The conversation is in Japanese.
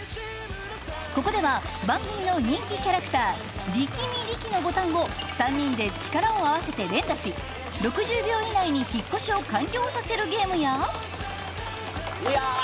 ここでは番組の人気キャラクター力見力のボタンを３人で力を合わせて連打し６０秒以内に引っ越しを完了させるゲームや。